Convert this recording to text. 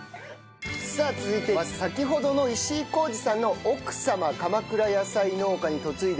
さあ続いては先ほどの石井宏兒さんの奥様鎌倉野菜農家に嫁いで６年の石井里菜さんです。